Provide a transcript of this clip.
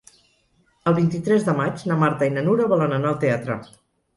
El vint-i-tres de maig na Marta i na Nura volen anar al teatre.